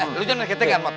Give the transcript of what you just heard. eh lo jangan bengketek ya mot